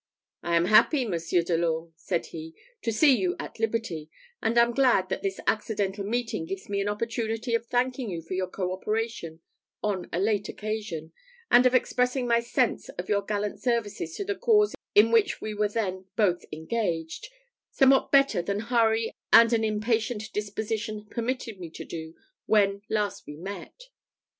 "I am happy, Monsieur de l'Orme," said he, "to see you at liberty, and am glad that this accidental meeting gives me an opportunity of thanking you for your co operation on a late occasion, and of expressing my sense of your gallant services to the cause in which we were then both engaged, somewhat better than hurry and an impatient disposition permitted me to do when last we met."